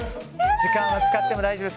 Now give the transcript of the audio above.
時間は使っても大丈夫です。